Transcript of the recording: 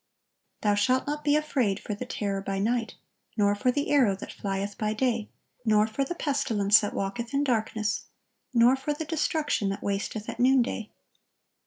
Thou shalt not be afraid for the terror by night; nor for the arrow that flieth by day; nor for the pestilence that walketh in darkness; nor for the destruction that wasteth at noonday.